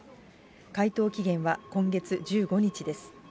回答期限は今月１５日です。